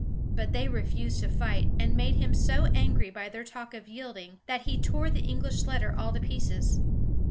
But they refused to fight, and made him so angry by their talk of yielding that he tore the English letter all to pieces.